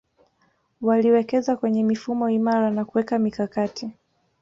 Waliwekeza kwenye mifumo imara na kuweka mikakati